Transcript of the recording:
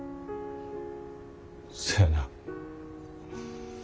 せやな。